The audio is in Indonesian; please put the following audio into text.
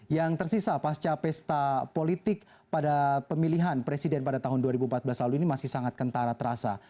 yang tersisa pasca pesta politik pada pemilihan presiden pada tahun dua ribu empat belas lalu ini masih sangat kentara terasa